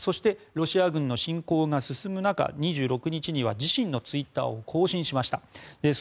ロシア軍の侵攻が進む中２６日には自身のツイッターを更新しました。